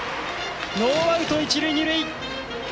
ノーアウト、一塁二塁。